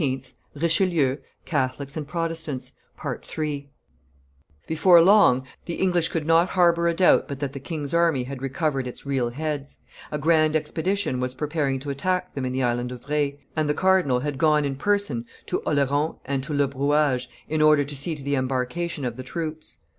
[Illustration: The King and Richelieu at La Rochelle 250] Before long the English could not harbor a doubt but that the king's army had recovered its real heads: a grand expedition was preparing to attack them in the Island of Re, and the cardinal had gone in person to Oleron and to Le Brouage in order to see to the embarkation of the troops.